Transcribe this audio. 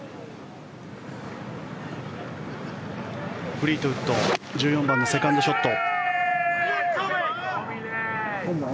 フリートウッド１４番のセカンドショット。